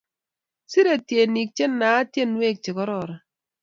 Serei tyenik che naat tyenwek che kororon